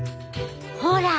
ほら！